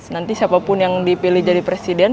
nanti siapapun yang dipilih jadi presiden